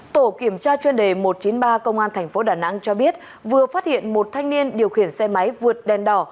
tổ kiểm tra chuyên đề một trăm chín mươi ba công an tp đà nẵng cho biết vừa phát hiện một thanh niên điều khiển xe máy vượt đèn đỏ